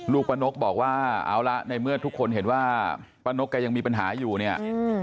ป้านกบอกว่าเอาละในเมื่อทุกคนเห็นว่าป้านกแกยังมีปัญหาอยู่เนี่ย